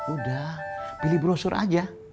udah pilih brosur aja